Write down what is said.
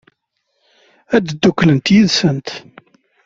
Ad dduklent yid-sent?